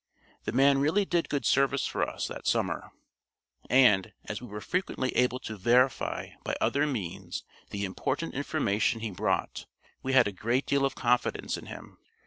The man really did good service for us that summer, and, as we were frequently able to verify by other means the important information he brought, we had a great deal of confidence in him.